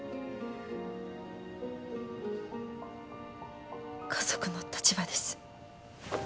家族の立場です。